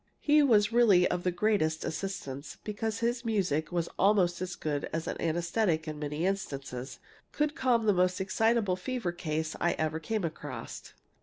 He was really of the greatest assistance, because his music was almost as good as an anæsthetic in many instances could calm the most excitable fever case I ever came across.